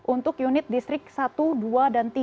untuk unit distrik satu dua dan tiga